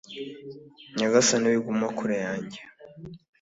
Nyagasani wiguma kure yanjye